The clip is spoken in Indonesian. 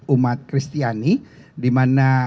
umat kristiani di mana